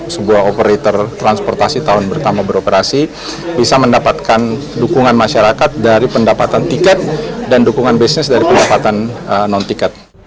sebuah operator transportasi tahun pertama beroperasi bisa mendapatkan dukungan masyarakat dari pendapatan tiket dan dukungan bisnis dari pendapatan non tiket